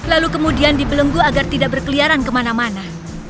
lalu kemudian dibelenggu agar tidak berkeliaran kemana mana